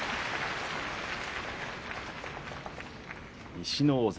西の大関